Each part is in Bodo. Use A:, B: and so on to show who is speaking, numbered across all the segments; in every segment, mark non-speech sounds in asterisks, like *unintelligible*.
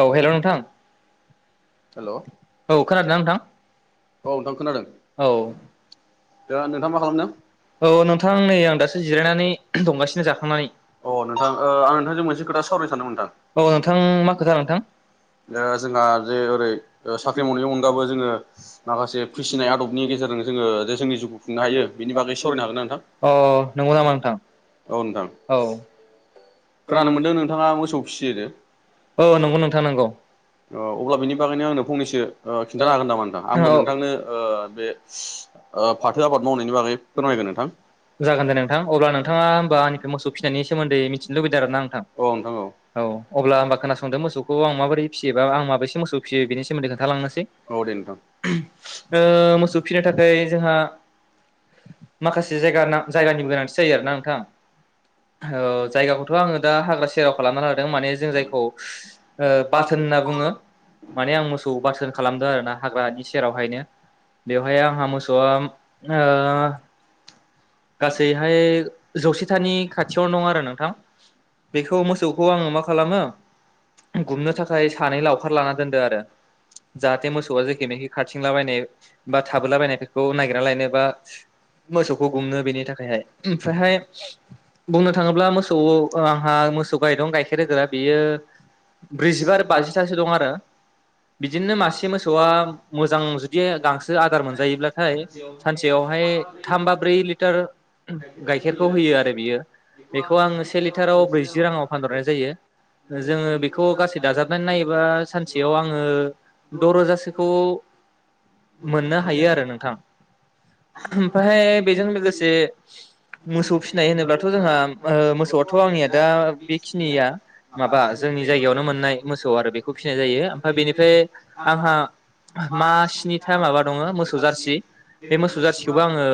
A: औ हेलौ नोंथां।
B: हेल' औ नोंथां खोनादों।
A: *unintelligible* औ नोंथां नै आं दासो जिरायनानै दंगासिनो जाखांनानै। *unintelligible* औ नोंथां
B: दा जोंहा जे ओरै साख्रि मावनायनि अनगाबो जोङो माखासे फिसिनाय आदबनि गेजेरजों जोङो जोंनि जिउखौ खुंनो हायो। बेनि बागै सावरायनो हागोन ना नोंथां? औ नोंथां। खोनानो मोनदों नोंथाङा मोसौ फिसिदो। *unintelligible* अब्ला बिनि बागैनो आंनो फंनैसो खिन्थानो हागोन नामा नोंथां? आंबो नोंथांनो बे
A: *unintelligible* जागोन दे नोंथां। अब्ला नोंथाङा होमबा आंनिफ्राय मोसौ फिसिनायनि सोमोन्दै मिथिनो लुबै था आरो ना नोंथां औ अब्ला होनबा खोनासंदो मोसौखौ आं माबोरै फिसियोबा आं माबेसे मोसौ फियो। बेनि सोमोन्दै खोनथालांनोसै। ओ मोसौ फिनो थाखाय जोंहा माखासे जायगा ना जायगानि गोनांथि जायो आरोना नोंथां। औ जायगाखौथ' आङो दा हाग्रा सेराव खालामना लादों माने जों जायखौ बाथोन होनना बुङो माने आं मोसौ बाथोन खालामदों आरोना हाग्रानि सेरावहायनो। बेवहाय आं आ मोसौआ ओ गासैहाय जौसेथानि खाथियावनो दं आरो नोंथां। बेखौ मोसौखौ आङो मा खालामो गुमनो थाखाय सानै लावखार लाना दोनदो आरो जाहाथे मोसौआ जेखे मेखे खारथिंला बायनाय बा थाबोला बायनायखौ नायगेरना लायनाय बा मोसौखौ बिनि थाखायहाय। ओमफ्रायहाय बुंनो थाङोब्ला मोसौ आंहा मोसौ गाय दं गाइखेर होग्रा। बेयो ब्रैजिबा आरो बाजिथासो दं आरो बिदिनो मासे मोसौ मोजां जुदि गांसो आदार मोनजायोब्लाथाय सानसेयाव दै लिटार गाइखेरखौ होयो आरो बियो बेखौ आङो से लिटाराव ब्रैजि राङाव फानहरनाय जायो। जोङो बेखौ गासै दाजाबनानै नायोबा सानसेयाव आङो द' रोजासोखौ मोननो हायो आरो नोंथां। ओमफाय बेजों लोगोसे मोसौ फिसिनाय होनोब्लाथ' जोंहा ओ मोसौआथ' आंनिया दा बेखिनिया माबा जोंनि जायगायावनो मोननाय मोसौ आरो बेखौ फिसिनाय जायो ओमफ्राय बेनिफ्राय आंहा मा स्निथा माबा दङ मोसौ जारसि बे मोसौ जारसिखौबो आङो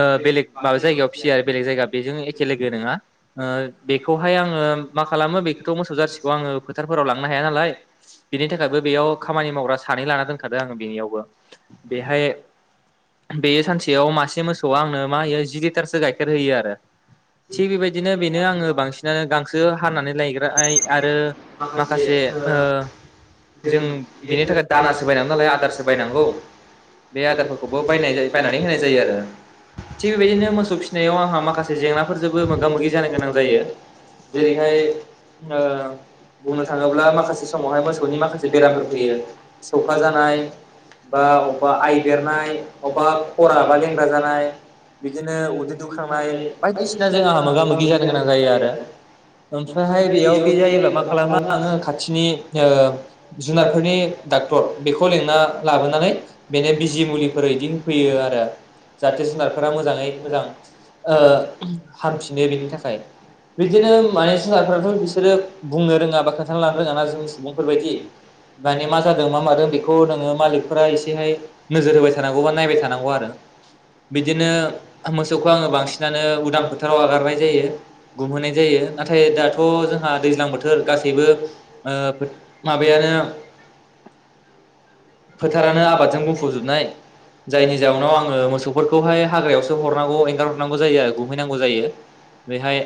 A: आ बेलेग। बा जायगायाव फियो आरो बेलेग जायगा बेजों एखे लोगो नङा ओ बेखौहाय आङो मा खालामो बेखौथ' मोसौ जारसिखौ आङो फोथारफोराव लांनो हाया नालाय बेनि थाखायबो बेयाव खामानि मावग्रा सानै लाना दोनखादो आङो बेनियावबो बेहाय बे सानसेयाव मासे मोसौ। आंनो। जि लिटारसो गाइखेर होयो आरो थिग बेबायदिनो बेनो आङो बांसिनानो गांसो हानानै लायग्राय आरो माखासे जों बेनि थाखाय दानासो बायनांगौ नालाय आदारसो बायनांगौ बे आदारफोरखौबो बायनाय बायनानै होनाय जायो आरो। थिग बेबायदिनो मोसौ फिसिनायाव आंहा माखासे जेंनाफोरजोंबो मोगा मोगि जानो गोनां जायो जेरैहाय बुंनो थाङोब्ला माखासे समावहाय मोसौनि माखासे बेरामफोर फैयो सौखा जानाय बा अबेबा आइदेरनाय अबेबा खरा बा लेंग्रा जानाय बिदिनो उदै दुखांनाय बायदिसिनाजों आंहा मोगा मोगि जानो गोनां जायो आरो ओमफ्रायहाय बेयाव बे जायोब्ला मा खालामा आङो खाथिनि ओ जुनारफोरनि डाक्टर बेखौ लेंंना लाबोनानै बेनो बिजि मुलिफोर बिदि होफैयो आरो जाहाथे जुनार रा मोजाङै मोजां ओ हामफिनो बेनि थाखाय बिदिनो माने जुनारफोराथ' बिसोरो बुंनो रोङा बा खोन्थाना लानो रोङा ना जों सुबुंफोरबायायदि माने मा जादों मा मादों बेखौ नोङो मालिकफोरा एसेहाय नोजोर होबाय थानांगौ बा नायबाय थानांगौ आरो। बिदिनो मोसौखौ आङो बांसिनानो उदां फोथाराव आगारनाय जायो गुमहोनाय जायो नाथाय दाथ' जोंहा दैज्लां बोथोर गासैबो ओ माबायानो फोथारानो आबादजों बुंफबजोबनाय जायनि जाउनाव आङो मोसौफोरखौ। खौहाय हाग्रायावसो हरनांगौ एंगार हरनांगौ जायो आरो गुमहैनांगौ जायो बेहाय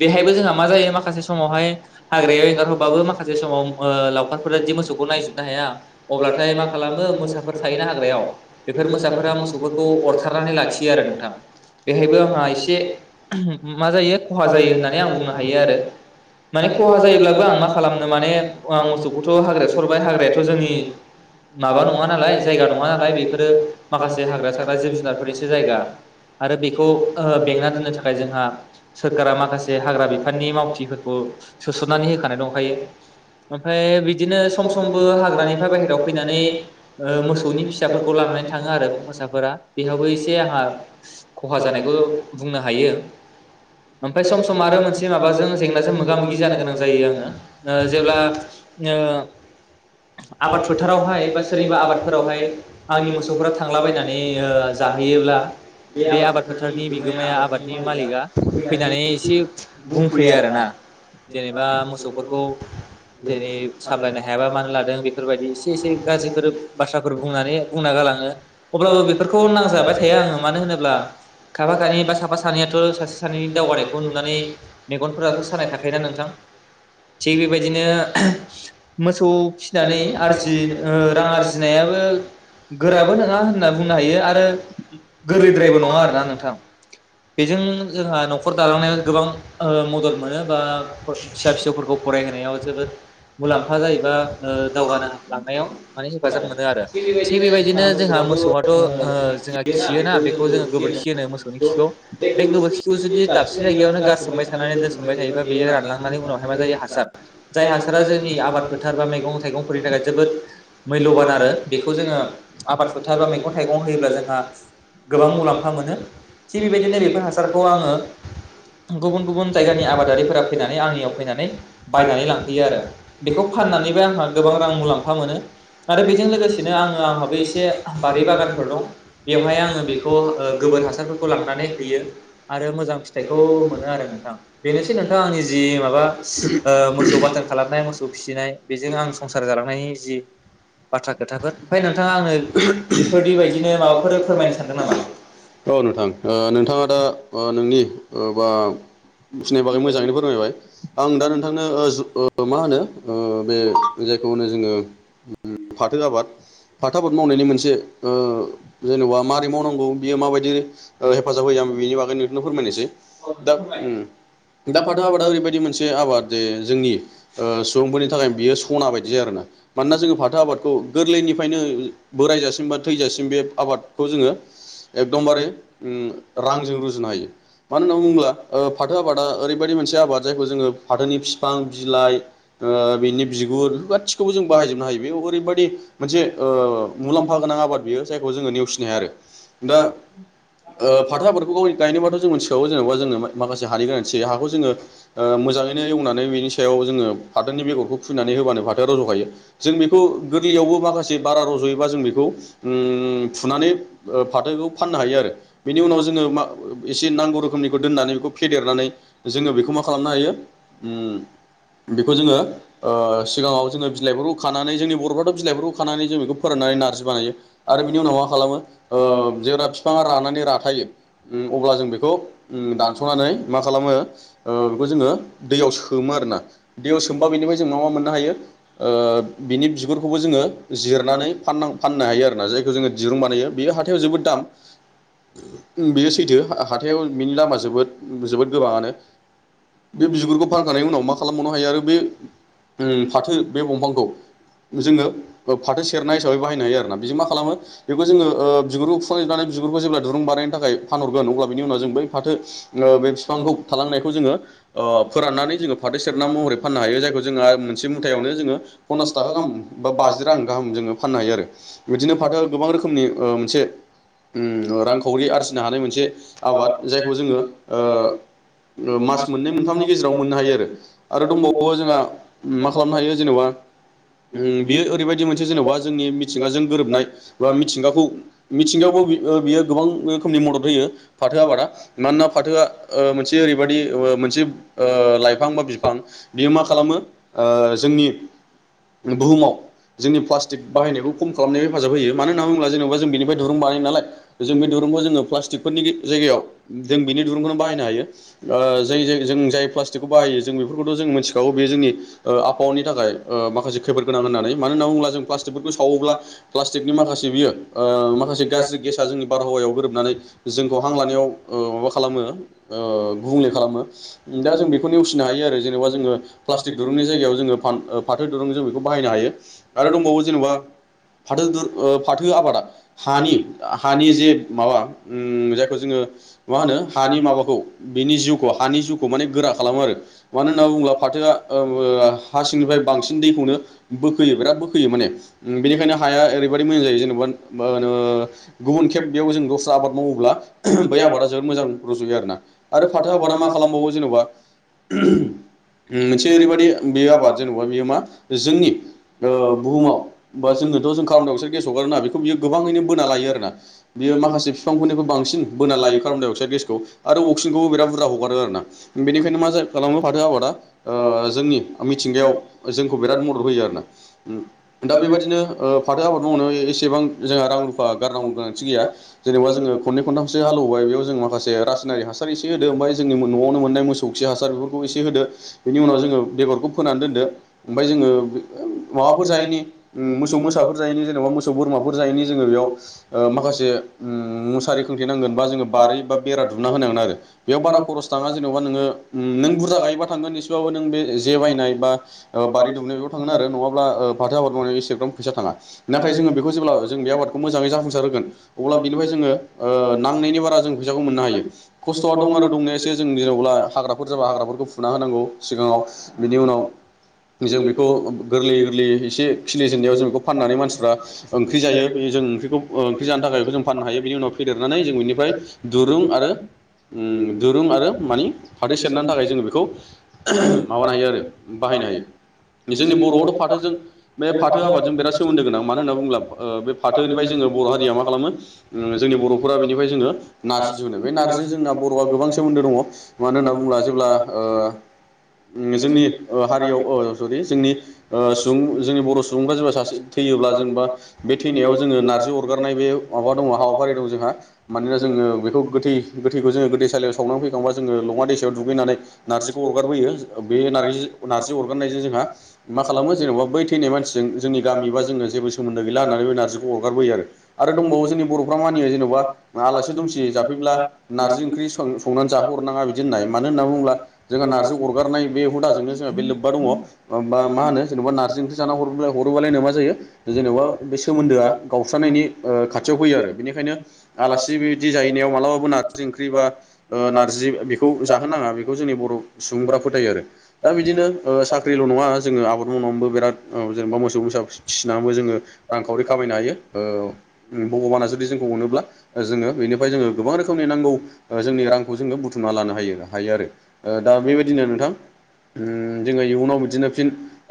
A: बेहायबो जोंहा मा जायो माखासे समावहाय हाग्रायाव एंगार हरबाबो माखासे समाव ओ लावखारफोरादि मोसौखौ नायजोबनो हाया अब्लाथाय मा खालाम‌ मो मोसाफोर थायोना हाग्रायाव बेफोर मोसाफोरा मोसौफोरखौ अर ओखारनानै लाखियो आरो नोंथां बेहायबो आंहा एसे मा जायो खहा जायो होननानै आं बुंनो हायो आरो माने खहा जायोब्लाबो आं मा खालामनो माने मोसौखौथ' हाग्राया सरबाय हाग्रायाथ' जोंनि माबा नङा नालाय जायगा नङा नालाय बेफोरो माखासे हाग्रा थाग्रा जिब जुनार नि जायगा आरो बेखौ ओ बेंना दोननो थाखाय जोंहा सोरखारा माखासे हाग्रा बिफाननि मावथिफोरखौ सोसननानै होखानाय दंखायो ओमफ्राय बिदिनो सम समबो हाग्रानिफ्राय बाय फैनानै ओ मोसौनि फिसाफोरखौ लानानै थाङो आरो मोसाफोरा। बेहाबो एसे हा खहा जानायखौ बुंनो हायो ओमफ्राय सम सम आरो मोनसे माबाजों जेंनाजों मोगा मोगि जानो‌ गोनां जायो आङो आ जेब्ला ओ फोथारावहाय बा सोरनिबा आबादफोरावहाय आंनि मोसौफोरा थांलाबायनानै ए जाहोयोब्ला बे आबाद फोथारनि बिगोमाया आबादनि मालिक आ फैनानै एसे बुंफैयो‌ आरोना जेनेबा मोसौफोरखौ एरै सामलायनो हायाबा मानो लादों बेफोरबादि एसे एसे गाज्रिफोर भाषाफोर बुंनानै बुंना गालाङो अब्लाबो बे नांजाबाय थाया आङो मानो होनोब्ला खााफा खानि बा साफा सानैयाथ' सासे सानैनि दावगानायखौ नुनानै मेगनफोराथ' सानाय थाखायोना नोंथां थिग बेबायदिनो मोसौ फिनानै जिन रां आरजिनायाबो गोराबो नङा होनना नो हायो आरो गोरलैद्रायबो नङा आरोना नोंथां बेजों जोंहा न'खर दालांनायाव गोबां मदद मोनो बा फिसा फिसौफोरखौ फरायहोनायाव जोबोद मुलाम्फा जायोबा ओ दावगानो हा लांनायाव माने हेफाजाब मोनो आरो थिग बेबायदिनो जोंहा मोसौआ जोंहा खियोना बेखौ जोङो गोबोरखि होनो मोसौनि खिखौ बे गोबोरखिखौ जुदि दाबसे जायगायावनो गारसोमबाय थानानै दोनसोमबाय थायोबा बेयो रानलांनानै उनावहाय मा जायो हासार जाय हासारा जोंनि आबाद फोथार बा मैगं थाइगंफोरनि थाखाय
B: *unintelligible*
A: थायगङाव होयोब्ला जोंहा गोबां मुलाम्फा मोनो थिग बेबायदिनो बेफोर हासारखौ आङो गुबुन गुबुन जायगनि आबादारिफोरा फैनानै आंनियाव फैनानै बायनानै लांफैयो आरो बेखौ फाननानैबो आंहा गोबां रां मुलाम
B: *unintelligible*
A: दं बेवहाय आङो बेखौ गोबोर हासारफोरखौ लांनानै होयो आरो मोजां फिथाइखौ मोनो आरो नोंथां बेनोसै नोंथां आंनि जि माबा मोसौ बाथोन खालामनाय मोसौ फिसिनाय बेजों आं संसार जालांनायनि जि बाथ्रा खोथाफोर ओमफ्राय नोंथाङा आंनो
B: औ नोंथां नोंथाङा दा नोंनि बा बुजिनि मोजाङैनो फोरमायबाय आं दा नोंथांनो मा होनो बे जायखौ होनो जोङो फाथो आबाद फाथो आबाद मावनायनि मोनसे जेनेबा माबोरै मावनांगौ बियो माबायदि हेफाजाब होयो बेनि बागैनो नोंथनो फोरमायनोसै दा दा फाथो आबादा ओरैबायदि मोनसे आबाद जे जोंनि सुबुंफोरनि थाखाय बियो सना बायदि जायो आरोना मानोना जोङो फाथो आबाद खौ गोरलैनिफ्रायनो बोराय जाासिमबाथ थैजासिम बे आबादखौ जोङो एखकदमबारे रांजों रुजुनो हायो मानो होनना बुङोब्ला फाथो आबादा ओरैबायदि मोनसे आबाद जायखौ जोङो फाथोनि बिफां बिलाइ बिनि बिगुरफोर गासिखौबो जों बाहायजोबनो हायो बेयाव ओरैबा दि मोनसे मुलाम्फा गोनां आबाद बियो जायखौ जोङो नेवसिनो हाया आरो दा फाथो आबादखौ गायनोबाथ' जों मोन सिखाङाव जेनेबा जोङो माखासे हानि गोनांथि जायो हाखौ जोङो मोजाङैनो एवनानै बेनि सायाव जोङो फाथोनि बेगरखौ फुनानै होबानो फाथोआ रज'खायो जों बेखौ गोरलैयावबो माखासे बारा रज'योबा जों बेखौ फुनानै फाथोखौ फाननो हायो आरो बेनि उनाव जोङो मा एसे नांगौ रोखोमनिखौ दोननानै बेखौ फेदेरनानै जोङो बेखौ मा खालामनो हायो बेखौ जोङो सिगाङाव जोङो बिलाइफोरखौ खानानै जोंनि बर'फा बिलाइफोरखौ खानानै जों बेखौ फोराननानै नारजि बानायो। आरो बिनि उनाव मा खालामो जेब्ला बिफाङा रानानै राथायो अब्ला जों बेखौ दानस'नानै मा खालामो बेखौ जोङो दैयाव सोमो आरोना दैयाव सोमबा बेनिफ्राय जों मा मा मोननो हायो बिनि बिगुरखौबो जोङो जिरनानै फानना फाननो हायो आरो। जायखौ जोङो दिरुं बानायो बेयो हाथायाव जोबोद दाम बेयो सैथो हाथायाव बेनि दामा जोबोद जोबोद गोबाङानो बे बिगुरखौ फानखांनाय उनाव मा खालामबावनो हायो आरो बे फाथो बे दंफांखौ जोङो फाथो सेरनाय हिसाबै बाहायनो हायो आरोना बेजों मा खालामो बेखौ जोङो बिगुरखौ फुफांजोबनानै बिगुरखौ जेब्ला दुरुं बानायनो थाखाय फानहरगोन अब्ला बिनि उनाव जों बै फाथो बे बिफांखौ थालांनायखौ जोङो फोराननानै जोङो फाथो सेरना महरै फाननो हायो जायखौ जोङो मोनसे मुथायावनो जोङो पन्सास थाखा गाहाम बा बाजि रां गाहाम जोङो फाननो हायो आरो। बिदिनो फाथोआ गोबां रोखोमनि मोनसे रांखावरि आरजिनो हानाय मोनसे आबाद जायखौ जोङो मास मोननै मोनथामनि गेजेराव मोननो हायो आरो आरो दंबावो जोंहा मा खालामनो हायो जेनेबा बेयो ओरैबायदि मोनसे जेन'बा जोंनि मिथिंगाजों गोरोबनाय बा मिथिंगाखौ मिथिंगायावबो बियो गोबां रोखोमनि मदद होयो फाथो आबादा मानोना फाथोआ मोनसे ओरैबादि मोनसे लाइफां बा बिफां बियो मा खालामो जोंनि बुहुमाव जोंनि प्लास्टिक बाहायनायखौ खम खालामनाय हेफाजाब होयो मानो होनना बुङोब्ला जेनेबा जों बेनिफ्राय दुरुं बानाय नालाय जों बे दुरुंखौ जोङो प्लास्टिकफोरनि जायगायाव जों बिनि दुरुंखौनो बाहायनो हायो ज जों जाय प्लास्टिकखौ बाहायो जों बेफोरखौथ' जों मिथिखागौ बेयो जोंनि आ आफहावनि थाखाय माखासे खैफोदगोनां होननानै बुङोब्ला जों प्लास्टिकफोरखौ सावोब्ला प्लास्टिकनि माखासे बियो माखासे गाज्रि गेसा जोंनि बारहावायाव गोरोबनानै जोंखौ हां लानायाव माबा खालामो गुबुंले खालामो दा जों बेखौ नेवसिनो हायो आरो जेनेबा जोङो प्लास्टिक दुरुंनि जायगायाव जोङो फ फाथो दुरुं जों बाहायनो हायो आरो दंबावो जेनेबा फाथो दुर फाथो आबादा हानि हानि जे माबा जायखौ जोङो मा होनो हानि माबाखौ बेनि जिउखौ हानि जिउखौ माने गोरा खालामो आरो मानो होनना बुङोब्ला फाथोआ हा सिंनिफ्राय बांसिन दैखौनो बोखोयो बिराद बोखोयो माने बेनिखायनो ओरैबायाददि मोजां जायो जेनेबा गुबुन खेब बेयाव जों दस्रा आबाद मावोब्ला बै आबादा जोबोद मोजां रजयो आरोना आरो फाथो आबादा मा खालामबावो जेनेबा मोनसे ओरैबदि बे आबाद जेनेबा बियो मा जोंनि ओ बुहुमाव बा जोङो कार्बनदाइअक्साइड गेस हगारोना बेखौ बियो गोबाङैनो बोना लायो आरोना बियो माखासे बिफांफोरनिखौ बांसिन बोना लायो कार्बन डाइ अक्साइड गेसखौ आरो अक्सिनखौबो बिराद बुरजा हगारो आरोना बेनिखायनो मा खालामो फाथो आबादा ओ जोंनि मिथिंगायाव जों बिराद मदद होयो आरो ना दा बेबायादिनो फाथो आबाद मावनो एसेबां जोंहा रां रुफा गारनांगौ गोनांथि गैया जेनबा जों बेयाव खननै खन्थामसो हालेवबायबेयाव जों माखासे रासायनारि हासार एसे होदो ओमफाय जोंनि न'आवनो मोननाय मोसौखि हासार बेफोरखौ एसे होदो बेनि उनाव बेगरखौ फोनानै दोनदो ओमफ्राय जोङो माबाफोर जायैनि ओम फिसाफोर जायैनि जेनेबा मोसौ बोरमाफोर जायैनि जोङो बेयाव ओ माखासे ओम मुसारि खोंथेनांगोन बा जों बारि बा बेरा दुमना होनांगोन आरो बेयाव बारा खरस थाङा जेनेबा नोङो नों बुरजा गायोबा थांगोन इसेबाबो नों बे जे बायनाय बा ओ बारि दुमनाय बेयाव थांगोन आरो नङाब्ला फाथो आबाद मावनाय एसेग्रम नाथाय जोङो बेखौ जेब्ला जों बे आबादखौ मोजाङै जाफुंसार होगोन अब्ला बेनिफ्राय जोङो ओ नांनायनि बारा जों फैसाखौ मोननो हायो खस्थ'आ दं आरो दंनाया एसे जों जेनेब्ला हाग्राफोर जाबा हाग्राफोरखौ फुना होनांगौ सिगाङाव बिनि उनाव जों बेखौ गोरलै गोरलै एसे खिलिजेननायाव जों बेखौ फाननानै मानसिफ्रा ओंख्रि जायो बे जों ओंख्रिखौ ओ ओंख्रि जानो थाखाय बेखौ जों फाननो हायो बेनि उनाव फेदेरनानै जों बेनिफ्राय दुरुं आरो ओम दुरुं आरो मानि फाथै सेरनायनि थाखाय जोङो बेखौ माबानो हायो आरो बाहायनो हायो जोंनि बर'आवथ' फाथोजों बे फाथो आबादजों बिराद सोमोन्दो गोनां मानो होनना बुङला ओ बे फाथोनिफ्राय जोङो बर' हारिया मा खालामो ओम जोंनि बर'फोरा बेनिफ्राय जोङो नारजि दिहुनो बे नार्जिजों जोंना बर'आ गोबां सोमोन्दो दङ मानो होनना बुङोब्ला जेब्ला ओ जोंनि ओ हारियाव ओ जोंनि ओ सुबुं जोंनि बर' सुबुंफोरा जाबाय थैयोब्ला जेनेबा बे थैनायाव जोङो नार्जि अरगारनाय बे माबा दङ हाबाफारि दं जोंहा मानोना जोङो बेखौ गोथै गोथैखौ जोङो गोथैसालियाव सावनानै फैखांबा जोङो लङा दैसायाव दुगैनानै नारजिखौ अरगारबोयो बे नार्जि अरगारनाय जों जोंहा मा खालामो जेनेबा बै थैनाय मानसिजों जोंनि गामि बा जोङ जेबो सोमोन्दो गैला होननानै बे नारजिखौ अरगारबोयो आरो दंबावो जों बर'फ्रा मानियो जेनेबा आलासि दुमसि जाफैब्ला नारजि ओंख्रि संनानै जाहो हरनाङा बिदि होननाय मानो होनना बुङोब्ला जोंहा नार्जि अरगारनाय बे हुदाजोंनो जोंहा बे लोब्बा दङ ओमबा मा होनो जेनबा नारजि ओ रोब्ला हरो गनायनो मा जायो जेनेबा बे सोमोनदो आ गावस्रानायनि खाथियाव फैयो आरो बेनिखायनो आलासि बिदि जाहैनायाव मालाब नारजि ओंख्रि बा नारजि ओ बेखौ जाहोनाङा बे जोंनि बर' सुबुंफोरा फोथायो आरो दा बिदिनो ओ सा नङा जोङ आबाद मावनायनानैबो बिराद जेनब मोसौ म फिसिनानैबो जोङो रांखावरि खामायनो हायो ओ उ भगबाना जुदि जोंखौ अनोब्ला जोङो बेनिफ्राय जोङो गोबां रोखोमनि नांगौ जोंनि रांखौ जोङो बुथुमना लानो हायो आरो दा बेबायदिनो नोंथां जोङो इयुनाव बिदिनो फिन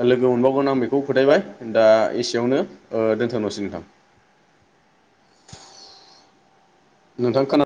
B: लोगो मोनबावगोन आं बेखौ फोथायबाय दा एसेयावनो दोन्थ'नोसै नोंथां नोंथां खोन